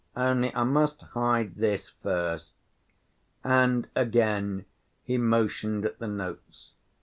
Only I must hide this first." And again he motioned at the notes.